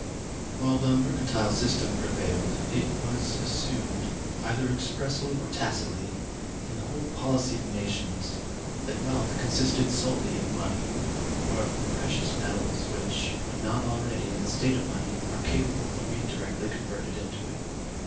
While the [Mercantile] system prevailed, it was assumed, either expressly or tacitly, in the whole policy of nations, that wealth consisted solely of money; or of the precious metals, which, when not already in the state of money, are capable of being directly converted into it.